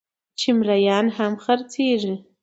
چې مريان هم خرڅېږي